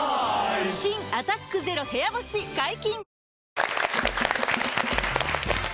新「アタックＺＥＲＯ部屋干し」解禁‼